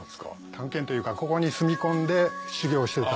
探検というかここに住み込んで修行してた。